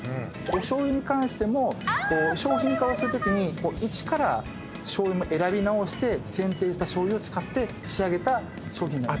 おしょうゆに関しても商品化をするときに一からしょうゆも選び直して選定したしょうゆを使って仕上げた商品になります。